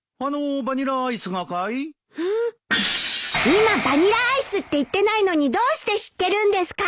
今「バニラアイス」って言ってないのにどうして知ってるんですか！？